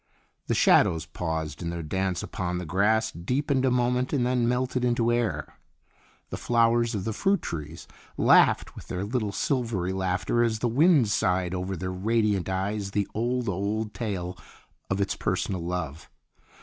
The shadows paused in their dance upon the grass, deepened a moment, and then melted into air. The flowers of the fruit trees laughed with their little silvery laughter as the wind sighed over their radiant eyes the old, old tale of its personal love.